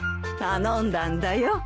頼んだんだよ。